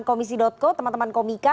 komisi co teman teman komika